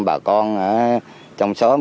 bà con ở trong xóm